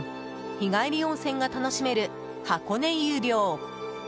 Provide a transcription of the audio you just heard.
日帰り温泉が楽しめる箱根湯寮。